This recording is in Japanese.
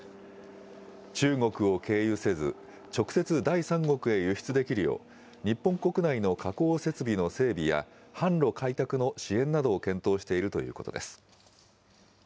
中国を経由せず、直接、第三国へ輸出できるよう、日本国内の加工設備の整備や、販路開拓の支援などを検討しているということです。